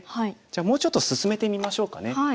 じゃあもうちょっと進めてみましょうかね。